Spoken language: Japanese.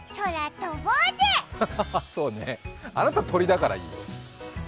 あなた鳥だからいいよ。